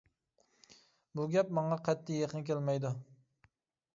بۇ گەپ ماڭا قەتئىي يېقىن كەلمەيدۇ!